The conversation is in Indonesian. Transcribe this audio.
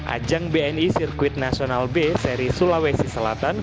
ajang bni sirkuit nasional b seri sulawesi selatan